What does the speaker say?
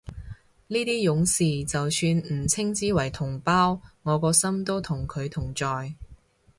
呢啲勇士就算唔稱之為同胞，我個心都同佢同在